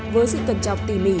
với sự cần chọc tỉ mỉ